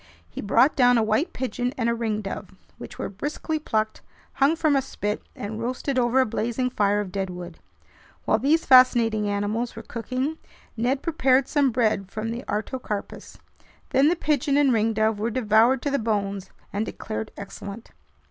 He brought down a white pigeon and a ringdove, which were briskly plucked, hung from a spit, and roasted over a blazing fire of deadwood. While these fascinating animals were cooking, Ned prepared some bread from the artocarpus. Then the pigeon and ringdove were devoured to the bones and declared excellent.